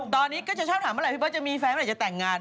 ตอนนี้ก็จะชอบถามเมื่อไหร่พี่เบิร์ตจะมีแฟนไหนจะแต่งงาน